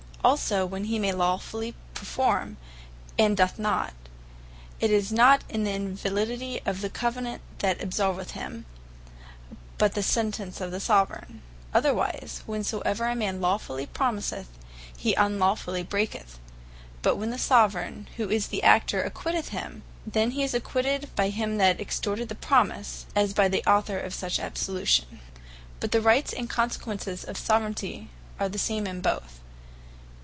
Also, when he may lawfully performe, and doth not, it is not the Invalidity of the Covenant, that absolveth him, but the Sentence of the Soveraign. Otherwise, whensoever a man lawfully promiseth, he unlawfully breaketh: But when the Soveraign, who is the Actor, acquitteth him, then he is acquitted by him that exorted the promise, as by the Author of such absolution. The Rights Of Soveraignty The Same In Both But the Rights, and Consequences of Soveraignty, are the same in both.